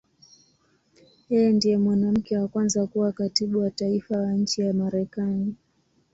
Yeye ndiye mwanamke wa kwanza kuwa Katibu wa Taifa wa nchi ya Marekani.